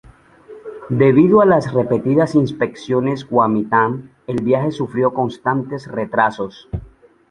Debido a las repetidas inspecciones Kuomintang, el viaje sufrió constantes retrasos.